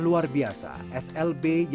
karyawan itu bukan biarnya